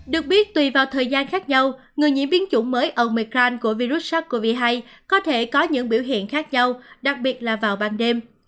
được biết tùy vào thời gian khác nhau người nhiễm biến chủng mới omecrand của virus sars cov hai có thể có những biểu hiện khác nhau đặc biệt là vào ban đêm